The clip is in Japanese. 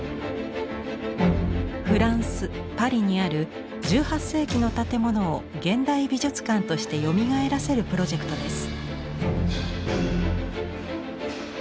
フランスパリにある１８世紀の建物を現代美術館としてよみがえらせるプロジェクトです。